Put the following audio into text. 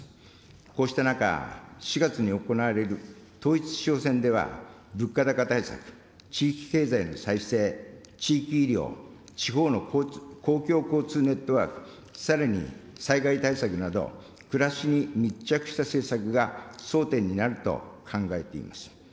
こうした中、４月に行われる統一地方選では、物価高対策、地域経済の再生、地域医療、地方の公共交通ネットワーク、さらに災害対策など、暮らしに密着した政策が争点になると考えています。